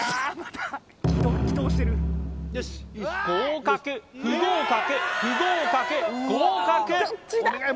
合格不合格不合格合格お願い